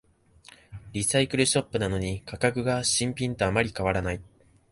リサイクルショップなのに価格が新品とあまり変わらない